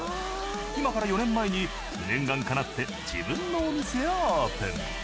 今から４年前に念願叶って自分のお店をオープン。